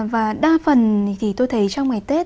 và đa phần thì tôi thấy trong ngày tết